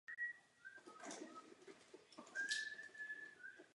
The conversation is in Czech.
Kopie objektu je příkladem původní předměstské zástavby ve Štramberku.